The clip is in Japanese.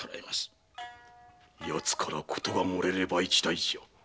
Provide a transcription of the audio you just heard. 奴から事が漏れれば一大事じゃ。